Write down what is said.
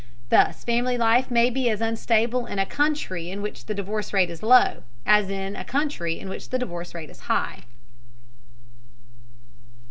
Thus family life may be as unstable in a country in which the divorce rate is low, as in a country in which the divorce rate is high.